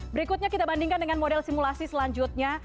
berikutnya kita bandingkan dengan model simulasi selanjutnya